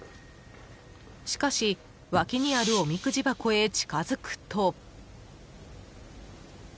しかし、脇にあるおみくじ箱へ近づくと。